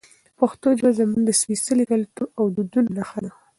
پښتو ژبه زموږ د سپېڅلي کلتور او دودونو نښه ده.